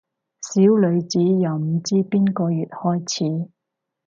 小女子由唔知邊個月開始